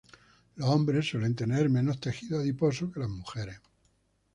Los hombres suelen tener menos tejido adiposo que las mujeres.